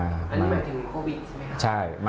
อันนี้หมายถึงโควิดใช่ไหมครับ